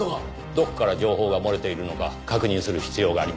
どこから情報が漏れているのか確認する必要があります。